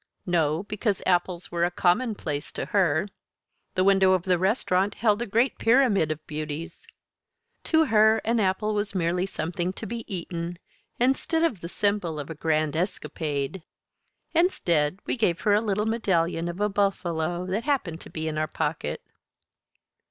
No, because apples were a commonplace to her. The window of the restaurant held a great pyramid of beauties. To her, an apple was merely something to be eaten, instead of the symbol of a grand escapade. Instead, we gave her a little medallion of a buffalo that happened to be in our pocket.